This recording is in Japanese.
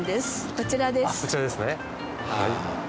こちらですね